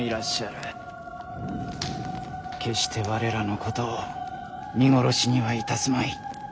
決して我らのことを見殺しにはいたすまい。